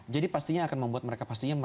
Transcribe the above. jadi pastinya akan membuat mereka merasa nyaman